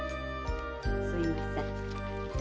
すいません。